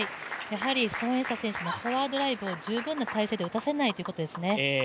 孫エイ莎選手のフォアドライブを十分な体勢で打たせないということですね。